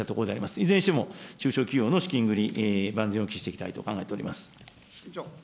いずれにしても中小企業の資金繰り、万全を期していきたいと考えております。